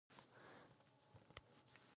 آئینه د کاندنسر لاندې موقعیت لري.